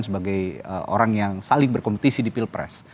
sebagai orang yang saling berkompetisi di pilpres